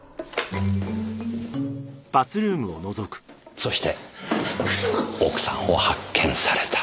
そして奥さんを発見された。